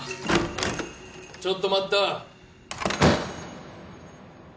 ・・ちょっと待った。